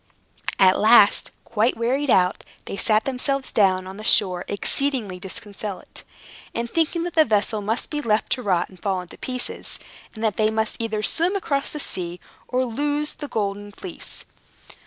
At last, quite wearied out, they sat themselves down on the shore exceedingly disconsolate, and thinking that the vessel must be left to rot and fall in pieces, and that they must either swim across the sea or lose the Golden Fleece.